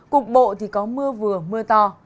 cục bộ thì có mưa vừa mưa to